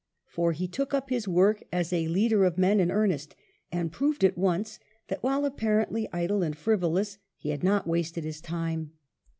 For he took up his work as a leader of men in earnest^ and proved at once that, while apparently idle and frivolous, he had not wasted his time.